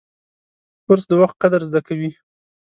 کورس د وخت قدر زده کوي.